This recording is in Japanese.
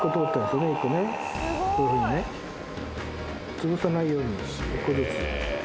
つぶさないように１個ずつ。